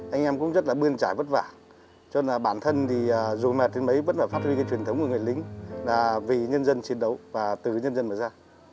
anh em cũng rất là bươn trải vất vả cho nên là bản thân thì dù mệt đến mấy vất vả phát huy cái truyền thống của người lính là vì nhân dân chiến đấu và từ nhân dân mà ra